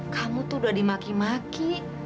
kamu tuh udah dimaki maki